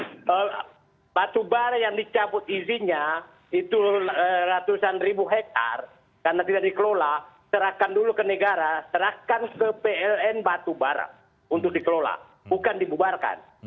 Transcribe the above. seandainya kalau saya mengambil keputusan maka batubara yang dicaput izinnya itu ratusan ribu hektare karena tidak dikelola serahkan dulu ke negara serahkan ke pln batubara untuk dikelola bukan bubarkan